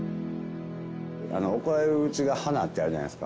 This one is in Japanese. あの怒られるうちが花ってあるじゃないですか。